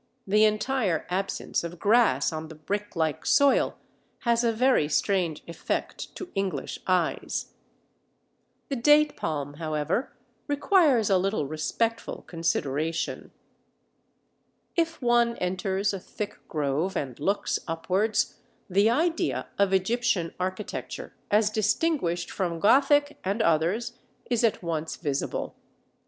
The entire absence of grass on the brick like soil has a very strange effect to English eyes. The Date Palm, however, requires a little respectful consideration. If one enters a thick grove and looks upwards, the idea of Egyptian architecture as distinguished from Gothic and others is at once visible.